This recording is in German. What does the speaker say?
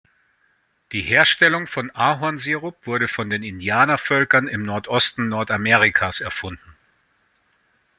Die Herstellung von Ahornsirup wurde von den Indianervölkern im Nordosten Nordamerikas erfunden.